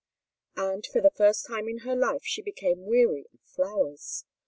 And for the first time in her life she became weary of flowers.